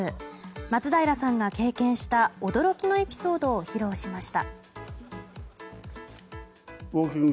松平さんが経験した驚きのエピソードを披露しました。